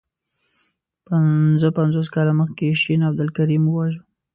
پنځه پنځوس کاله مخکي شین عبدالکریم وواژه.